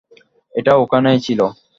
এটা ওখানেই ছিল।